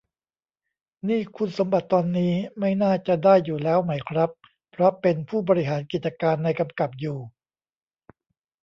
นี่คุณสมบัติตอนนี้ไม่น่าจะได้อยู่แล้วไหมครับ เพราะเป็นผู้บริหารกิจการในกำกับอยู่